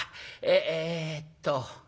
えっと